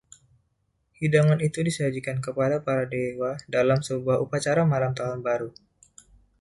Hidangan itu disajikan kepada para dewa dalam sebuah upacara Malam Tahun Baru.